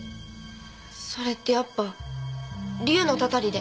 それってやっぱ竜のたたりで？